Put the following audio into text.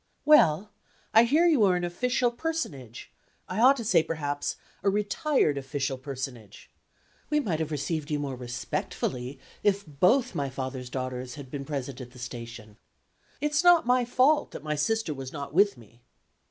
"Well, I hear you are an official personage I ought to say, perhaps, a retired official personage. We might have received you more respectfully, if both my father's daughters had been present at the station. It's not my fault that my sister was not with me."